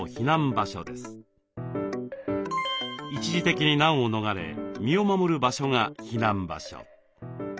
一時的に難を逃れ身を守る場所が「避難場所」。